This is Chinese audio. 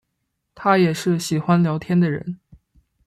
她也是喜欢聊天的人